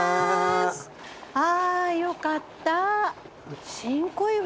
あよかった。